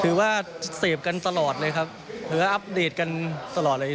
ว่าเสพกันตลอดเลยครับถือว่าอัปเดตกันตลอดเลย